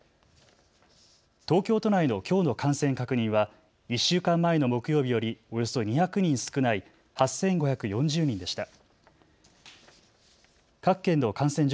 東京都内のきょうの感染確認は１週間前の木曜日よりおよそ２００人少ない８５４０人でした。